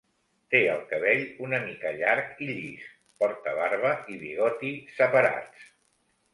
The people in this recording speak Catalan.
Té el cabell una mica llarg i llis, porta barba i bigoti separats.